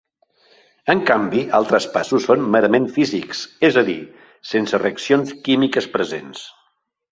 En canvi altres passos són merament físics, és a dir, sense reaccions químiques presents.